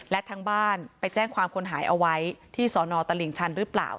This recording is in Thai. และทางบ้านไปแจ้งความคนหายเอาไว้ที่สอนอตลิ่งชันหรือเปล่า